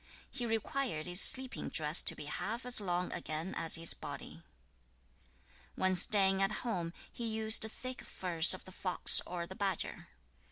6. He required his sleeping dress to be half as long again as his body. 7. When staying at home, he used thick furs of the fox or the badger.